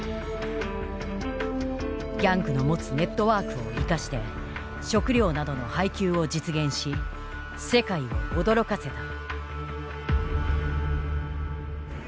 ギャングの持つネットワークを生かして食糧などの配給を実現し世界を驚かせた。